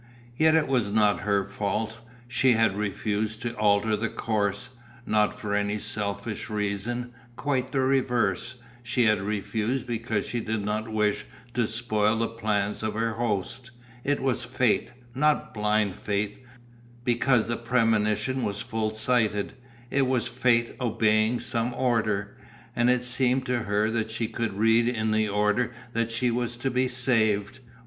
Yet it was not her fault. She had refused to alter the course, not for any selfish reason, quite the reverse, she had refused because she did not wish to spoil the plans of her host. It was Fate, not blind Fate, because the premonition was full sighted, it was Fate obeying some order. And it seemed to her that she could read in the order that she was to be saved.